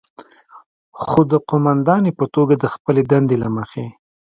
خو د قوماندانې په توګه د خپلې دندې له مخې،